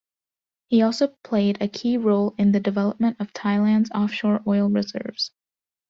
He also played a key role in the development of Thailand's offshore oil reserves.